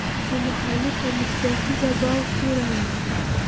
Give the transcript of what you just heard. چې مخالف پۀ نفسياتي دباو کښې راولي